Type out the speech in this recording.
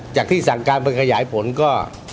จากที่สั่งการไปขยายผลก็